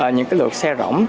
những cái lượng xe rỗng